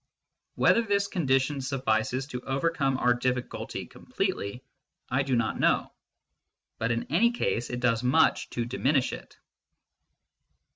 Whether this consideration suffices to over come our difficulty completely, I do not know ; but in any case it does much to diminish it.